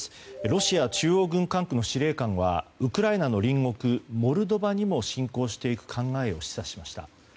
ロシア中央軍管区の司令官はウクライナの隣国モルドバにも侵攻していく考えを示唆しました。